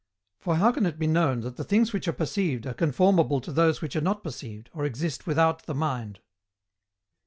For how can it be known that the things which are perceived are conformable to those which are not perceived, or exist without the mind?